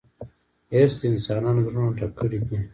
حرص د انسانانو زړونه ډک کړي دي.